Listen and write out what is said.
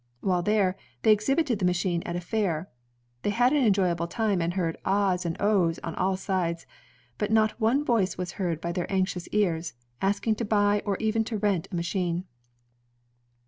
While there, they exhibited the machine at a fair. They had an enjoyable time and heard ''Ah's!'' and "Oh's!" on all sides, but not one voice was heard by their anxious ears, asking to buy or even to rent a machine.